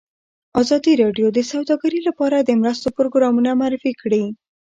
ازادي راډیو د سوداګري لپاره د مرستو پروګرامونه معرفي کړي.